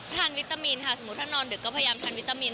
วิตามินค่ะสมมุติถ้านอนดึกก็พยายามทานวิตามิน